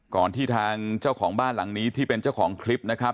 ที่ทางเจ้าของบ้านหลังนี้ที่เป็นเจ้าของคลิปนะครับ